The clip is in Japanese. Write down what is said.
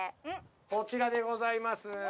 こちらでございます。